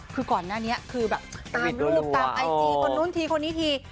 คือก่อนหน้านี้คือแบบตามรูปตามไอจีคนนู้นทีคนนี้ที